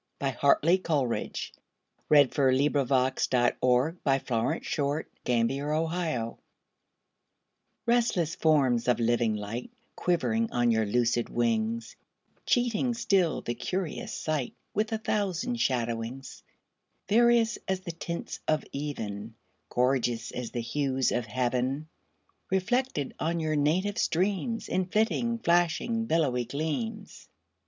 G H . I J . K L . M N . O P . Q R . S T . U V . W X . Y Z Address to Certain Golfishes RESTLESS forms of living light Quivering on your lucid wings, Cheating still the curious sight With a thousand shadowings; Various as the tints of even, Gorgeous as the hues of heaven, Reflected on you native streams In flitting, flashing, billowy gleams!